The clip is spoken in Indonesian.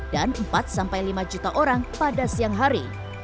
dan empat lima juta orang pada siang hari